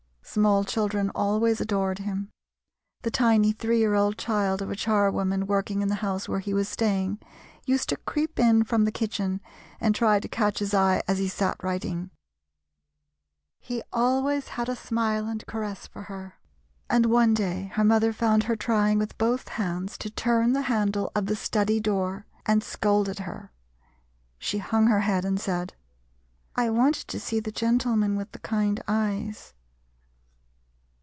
Small children always adored him. The tiny three year old child of a charwoman working in the house where he was staying used to creep in from the kitchen, and try to catch his eye as he sat writing. He always had a smile and caress for her, and one day her mother found her trying with both hands to turn the handle of the study door and scolded her. She hung her head and said, "I wanted to see the gentleman with the kind eyes."